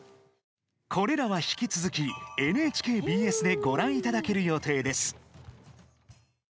これらは、引き続きＮＨＫＢＳでご覧いただける予定です。